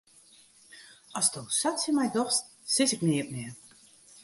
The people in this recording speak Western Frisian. Asto sa tsjin my dochst, sis ik neat mear.